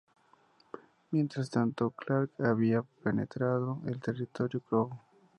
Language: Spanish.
Mientras tanto, Clark había penetrado en territorio Crow.